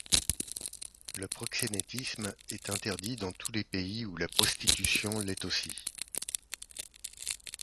Le proxénétisme est interdit dans tous les pays où la prostitution l'est aussi.